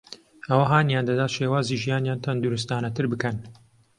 ئەوە هانیان دەدات شێوازی ژیانیان تەندروستانەتر بکەن